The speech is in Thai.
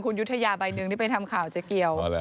คุณยุธยาใบหนึ่งที่ไปทำข่าวเจ๊เกียว